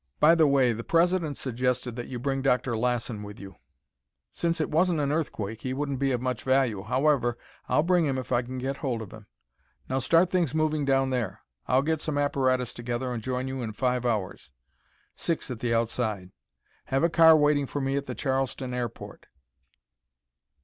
By the way, the President suggested that you bring Dr. Lassen with you." "Since it wasn't an earthquake, he wouldn't be of much value. However, I'll bring him if I can get hold of him. Now start things moving down there. I'll get some apparatus together and join you in five hours; six at the outside. Have a car waiting for me at the Charleston airport."